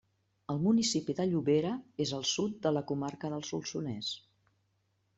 El municipi de Llobera és al sud de la comarca del Solsonès.